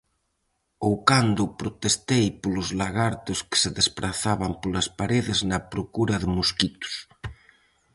Ou cando protestei polos lagartos que se desprazaban polas paredes na procura de mosquitos.